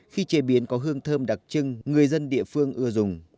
khi chế biến có hương thơm đặc trưng người dân địa phương ưa dùng